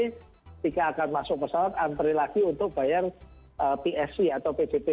ketika akan masuk pesawat antre lagi untuk bayar psc atau pdt dua u